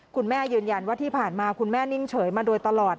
ยืนยันว่าที่ผ่านมาคุณแม่นิ่งเฉยมาโดยตลอด